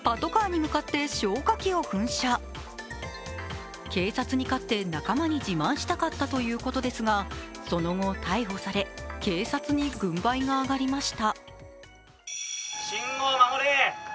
計相次いでに勝って仲間に自慢したかったということですがその後逮捕され、警察に軍配が上がりました。